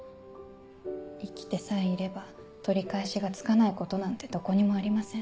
生きてさえいれば取り返しがつかないことなんてどこにもありません。